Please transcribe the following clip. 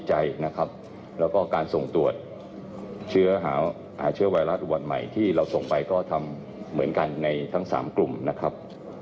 หาเชื้อไวรัสอุบันใหม่ที่เราส่งไปก็ทำเหมือนกันในทั้ง๓กลุ่มนะครับ